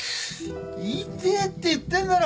痛えって言ってんだろ。